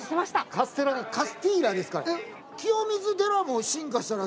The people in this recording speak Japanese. カステラがカスティーラですか。